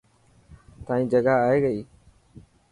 تائن جگا آئي گئي.